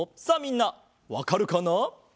さあみんなわかるかな？